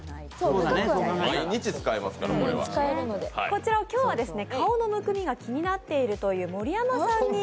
こちらを今日は顔のむくみが気になっているという盛山さんに。